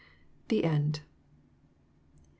THE END. D.